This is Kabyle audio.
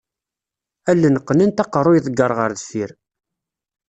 Allen qqnent aqerru iḍegger ɣer deffir.